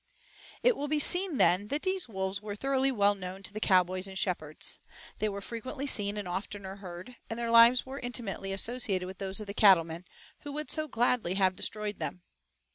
It will be seen, then, that these wolves were thoroughly well known to the cowboys and shepherds. They were frequently seen and oftener heard, and their lives were intimately associated with those of the cattlemen, who would so gladly have destroyed them.